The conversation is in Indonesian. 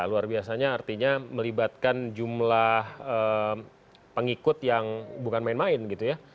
luar biasanya artinya melibatkan jumlah pengikut yang bukan main main gitu ya